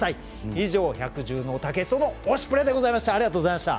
以上、百獣の王・武井壮の「推しプレ！」でございました。